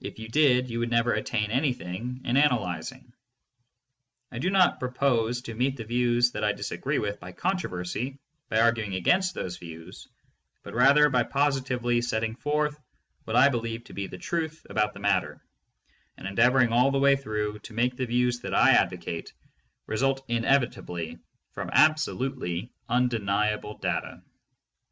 If you did, you would never attain anything in analyzing. I do not propose to meet the views that I disagree with by controversy, by arguing against those views, but rather by positively setting forth what I believe to be the truth about the matter, and endeavoring all the way through to make the views that I advocate result in evitably from absolutely undeniable data.